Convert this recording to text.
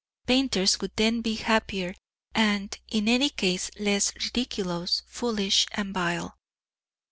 Painters would then be happier, and, in any case, less ridiculous, foolish and vile.